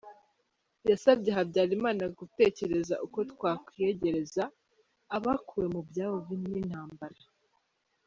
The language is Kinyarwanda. Yasabye Habyarimana gutekereza uko “twakwiyegereza” abakuwe mu byabo n’intambara.